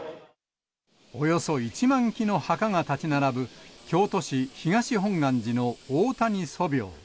およそ１万基の墓が建ち並ぶ、京都市、東本願寺の大谷祖廟。